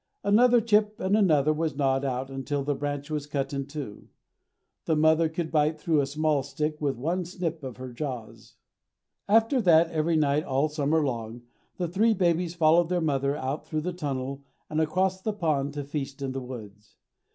Another chip and another was gnawed out till the branch was cut in two. The mother could bite through a small stick with one snip of her jaws. After that, every night all summer long, the three babies followed their mother out through the tunnel and across the pond to feast in the woods.